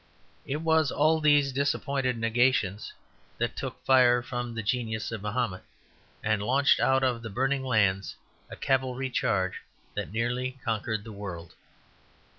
It was all these disappointed negations that took fire from the genius of Mahomet, and launched out of the burning lands a cavalry charge that nearly conquered the world.